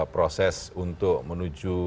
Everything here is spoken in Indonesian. proses untuk menuju